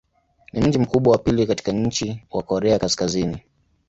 Ni mji mkubwa wa pili katika nchi wa Korea Kaskazini.